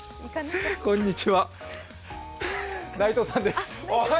こんにちは。